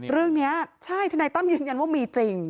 เรื่องนี้ใช่ทนายตั้มยืนยันว่ามีจริง